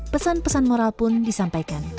pesan pesan moral pun disampaikan